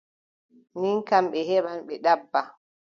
Ni kam, ɓe heɓɓan ɓe daɗɗa.